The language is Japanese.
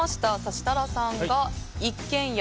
設楽さんが、一軒家。